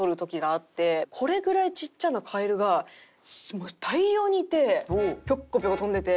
これぐらいちっちゃな蛙が大量にいてピョッコピョコ跳んでて。